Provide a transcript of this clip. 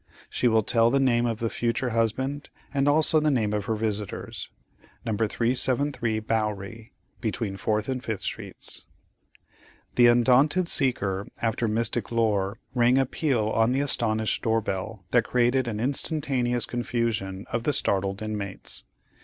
She will tell the name of the future husband, and also the name of her visitors. No. 373 Bowery, between Fourth and Fifth streets." The undaunted seeker after mystic lore rang a peal on the astonished door bell that created an instantaneous confusion of the startled inmates.